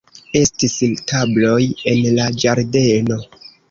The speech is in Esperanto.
Estis tabloj en la ĝardeno.